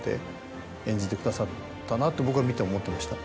演じてくださったなって僕は見て思ってました。